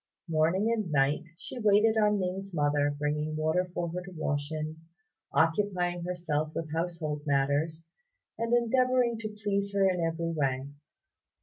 Morning and night she waited on Ning's mother, bringing water for her to wash in, occupying herself with household matters, and endeavouring to please her in every way.